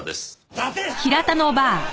立て！